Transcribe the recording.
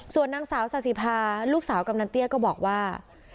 ส่วนนางสาวสาธิพาลูกสาวกำนันเตี้ยก็บอกว่า